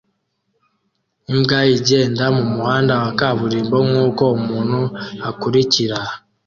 Imbwa igenda mumuhanda wa kaburimbo nkuko umuntu akurikira